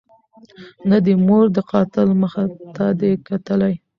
نه دي مور د قاتل مخ ته دي کتلي